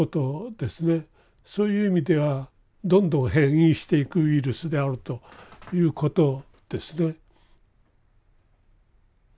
そういう意味ではどんどん変異していくウイルスであるということですね。